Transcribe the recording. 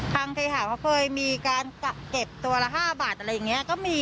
เคหาเขาเคยมีการเก็บตัวละ๕บาทอะไรอย่างนี้ก็มี